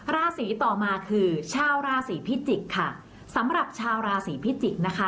ราศีต่อมาคือชาวราศีพิจิกษ์ค่ะสำหรับชาวราศีพิจิกษ์นะคะ